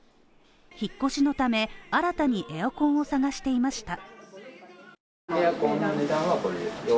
引っ越しのため新たにエアコンを探していました。